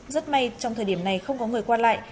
rất may trong thời điểm này không có người qua lại